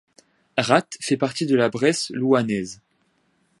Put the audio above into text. Ratte fait partie de la Bresse louhannaise.